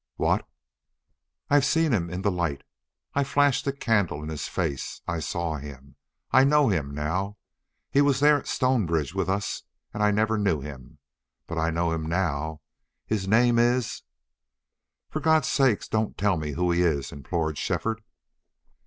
"What!" "I've seen him in the light. I flashed a candle in his face. I saw it. I know him now. He was there at Stonebridge with us, and I never knew him. But I know him now. His name is " "For God's sake don't tell me who he is!" implored Shefford.